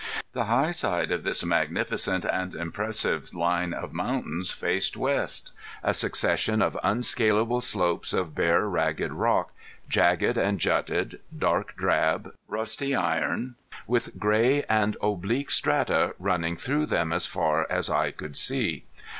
The high side of this magnificent and impressive line of mountains faced west a succession of unscalable slopes of bare ragged rock, jagged and jutted, dark drab, rusty iron, with gray and oblique strata running through them far as eye could see.